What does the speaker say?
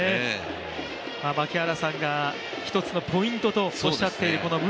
槙原さんが１つのポイントとおっしゃっている宗。